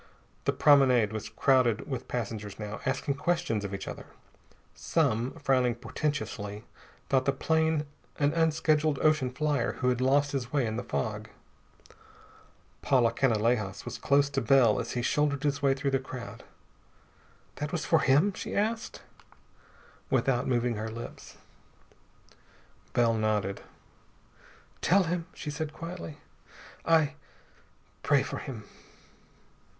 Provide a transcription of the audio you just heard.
The promenade was crowded with passengers now, asking questions of each other. Some, frowning portentously, thought the plane an unscheduled ocean flier who had lost his way in the fog. Paula Canalejas was close to Bell as he shouldered his way through the crowd. "That was for him?" she asked, without moving her lips. Bell nodded. "Tell him," she said quietly, "I pray for him."